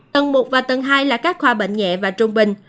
tầng một và tầng hai là các khoa bệnh nhẹ và trung bình